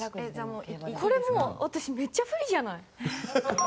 これもう私めっちゃ不利じゃない。